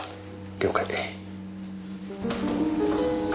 了解。